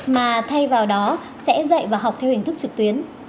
mà thay vào đó sẽ dạy và học theo hình thức trực tuyến